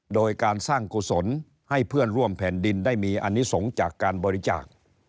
โดยการสร้างกุศลให้เพื่อนร่วมแผ่นดินได้มีอนิสงฆ์จากการบริจาค